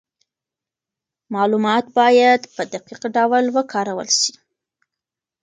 معلومات باید په دقیق ډول وکارول سي.